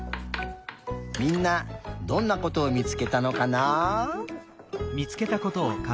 みんなどんなことを見つけたのかな？